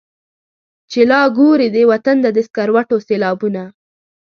چي لا ګوري دې وطن ته د سکروټو سېلابونه.